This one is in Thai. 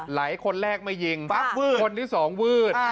ไหลคนแรกมายิงคนที่สองวืด